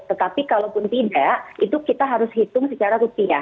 tetapi kalaupun tidak itu kita harus hitung secara rupiah